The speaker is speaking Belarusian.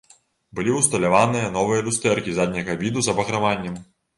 Былі ўсталяваныя новыя люстэркі задняга віду з абаграваннем.